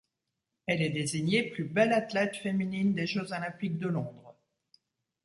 Elle est désignée plus belle athlète féminine des Jeux olympiques de Londres.